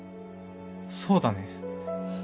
そうだね